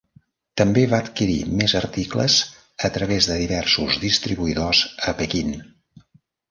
També va adquirir més articles a través de diversos distribuïdors a Pequín.